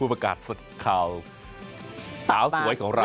ประกาศข่าวสาวสวยของเรา